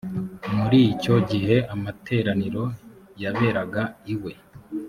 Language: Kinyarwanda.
muri icyo gihe amateraniro yaberaga iwe.